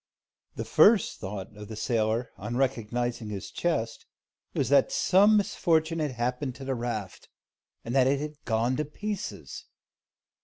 The first thought of the sailor, on recognising his chest, was that some misfortune had happened to the raft, and that it had gone to pieces.